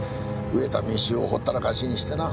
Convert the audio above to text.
飢えた民衆をほったらかしにしてな。